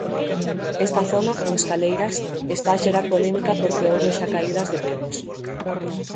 Esta zona, con escaleiras, está a xerar polémica porque houbo xa caídas de peóns.